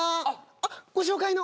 あっご紹介の？